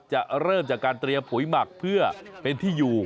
เริ่มจากการเตรียมปุ๋ยหมักเพื่อเป็นที่อยู่